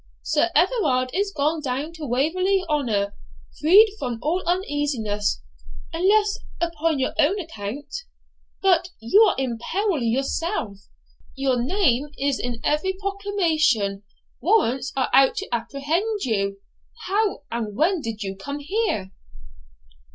Sir Everard is gone down to Waverley Honour, freed from all uneasiness, unless upon your own account. But you are in peril yourself; your name is in every proclamation; warrants are out to apprehend you. How and when did you come here?'